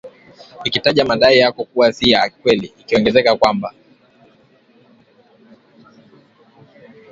ikitaja madai hayo kuwa si ya kweli ikiongezea kwamba